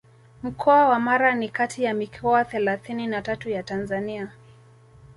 Mkoa wa Mara ni kati ya mikoa thelathini na tatu ya Tanzania